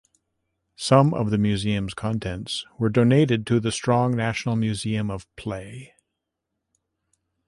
Some of the museum's contents were donated to The Strong National Museum of Play.